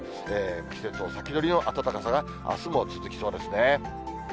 季節を先取りの暖かさがあすも続きそうですね。